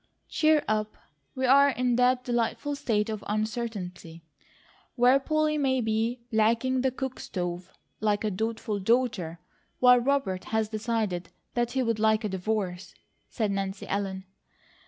"Cheer up! We're in that delightful state of uncertainty where Polly may be blacking the cook stove, like a dutiful daughter; while Robert has decided that he'd like a divorce," said Nancy Ellen.